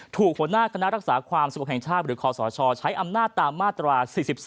หัวหน้าคณะรักษาความสงบแห่งชาติหรือคอสชใช้อำนาจตามมาตรา๔๒